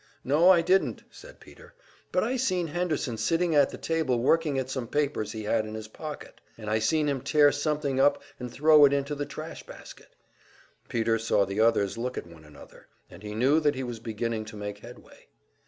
"No, I didn't," said Peter. "But I seen Henderson sitting at the table working at some papers he had in his pocket, and I seen him tear something up and throw it into the trash basket." Peter saw the others look at one another, and he knew that he was beginning to make headway.